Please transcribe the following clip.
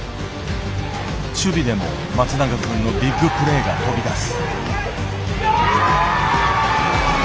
守備でも松永くんのビッグプレーが飛び出す。